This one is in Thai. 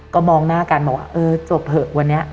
ก็มองหน้ากันบอกว่าเออจบเถอะวันนี้